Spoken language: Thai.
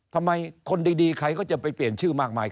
ทำไมคนดีใครก็จะไปเปลี่ยนชื่อมากมาย